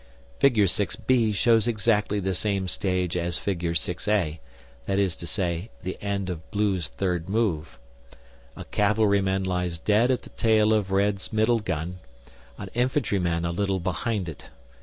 Figure 6b shows exactly the same stage as figure 6a, that is to say, the end of Blue's third move. A cavalry man lies dead at the tail of Red's middle gun, an infantry man a little behind it.